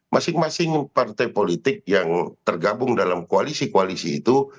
masing masing partai politik yang tergabung dalam koalisi koalisi itu